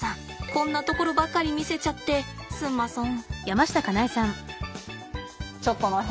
こんなところばかり見せちゃってすんまそん。